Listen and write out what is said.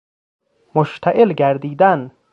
مشتعل گردیدن